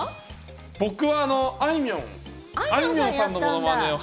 僕はあいみょん。